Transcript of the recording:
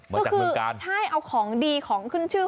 มาจากเมืองกาลใช่เอาของดีของขึ้นชื่อ